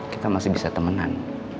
kita masih bisa temenan